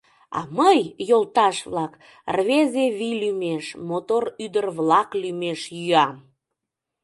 А мый, йолташ-влак, рвезе вий лӱмеш, мотор ӱдыр-влак лӱмеш йӱам!